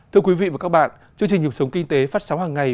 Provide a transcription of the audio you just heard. thưa quý vị và các bạn chương trình hiệp sống kinh tế phát sóng hàng ngày